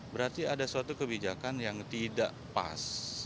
berarti ada suatu kebijakan yang tidak pas